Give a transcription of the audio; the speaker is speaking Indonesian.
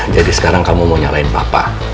jadi sekarang kamu mau nyalain papa